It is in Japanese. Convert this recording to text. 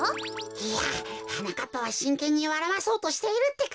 いやはなかっぱはしんけんにわらわそうとしているってか。